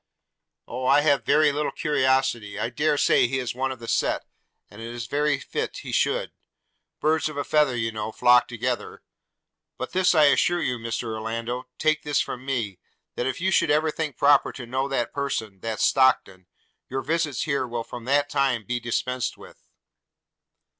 'Oh! I have very little curiosity – I dare say he is one of the set, and it is very fit he should. "Birds of a feather, you know, flock together." But this I assure you, Mr Orlando – take this from me – that if you should ever think proper to know that person, that Stockton, your visits here will from that time be dispensed with.'